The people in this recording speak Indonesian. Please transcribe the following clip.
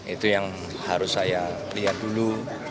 itu yang harus saya lihat dulu